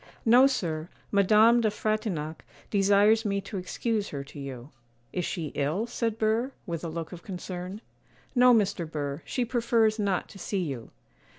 'No, sir; Madame de Frontignac desires me to excuse her to you.' 'Is she ill?' said Burr, with a look of concern. 'No, Mr. Burr, she prefers not to see you.